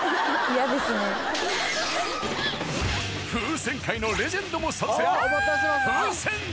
風船界のレジェンドも参戦